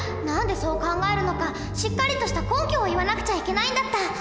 何でそう考えるのかしっかりとした根拠を言わなくちゃいけないんだった！